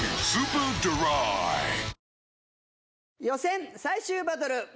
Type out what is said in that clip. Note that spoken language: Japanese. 予選最終バトル。